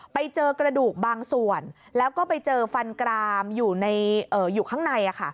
ไปเจอกระดูกบางส่วนแล้วก็ไปเจอฟันกรามอยู่ข้างใน